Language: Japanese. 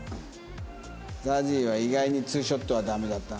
ＺＡＺＹは意外にツーショットはダメだったな。